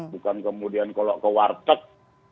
bukan kemudian kalau ke warteg